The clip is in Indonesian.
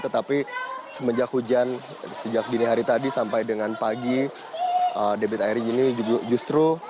tetapi semenjak hujan sejak dini hari tadi sampai dengan pagi debit air ini justru